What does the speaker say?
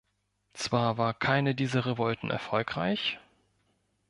Zwar war keine dieser Revolten erfolgreich.